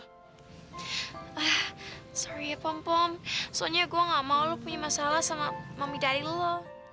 ah sorry ya pom pom soalnya gue nggak mau lo punya masalah sama mami dari lo